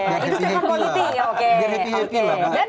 itu segmen politik ya oke